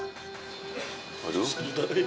satu juta neng